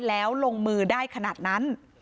แล้วลงมือได้ขนาดนั้น